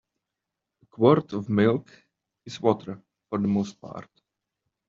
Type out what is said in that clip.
A quart of milk is water for the most part.